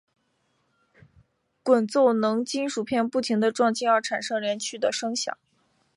滚奏能令金属片不停地撞击而产生连续的声响。